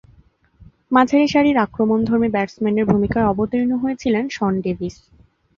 মাঝারিসারির আক্রমণধর্মী ব্যাটসম্যানের ভূমিকায় অবতীর্ণ হয়েছিলেন শন ডেভিস।